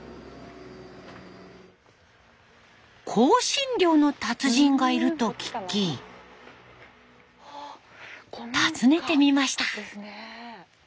香辛料の達人がいると聞き訪ねてみました。